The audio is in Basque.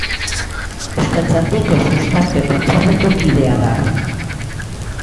Euskaltzaindiko Sustapen batzordeko kidea da.